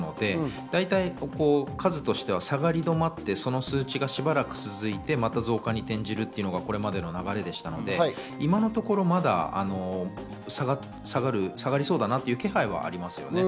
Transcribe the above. だいたい数としては下がり止まってその数値が増加に転じてしまうのがこれまでの流れでしたので、今のところまだ、下がりそうだなという気配はありますよね。